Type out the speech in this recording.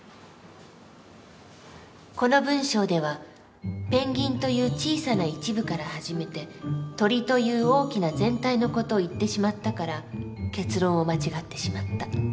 この文章ではペンギンという小さな一部から始めて鳥という大きな全体の事を言ってしまったから結論を間違ってしまった。